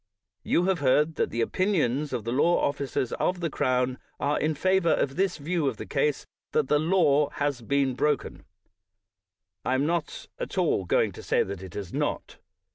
You have heard that the opinions of the law officers of the crown are in favor of this view of the case — that the law has been broken, I am not at all going to say that it has not.